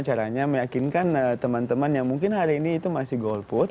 caranya meyakinkan teman teman yang mungkin hari ini itu masih golput